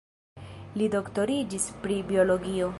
Li doktoriĝis pri biologio.